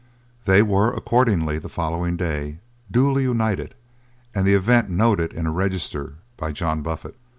They were accordingly, the following day, duly united, and the event noted in a register by John Buffet.